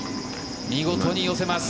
見事に寄せます。